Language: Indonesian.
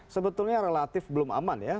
sebetulnya relatif belum aman ya